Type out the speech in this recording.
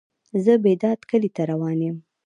زه بیداد کلی ته روان یم.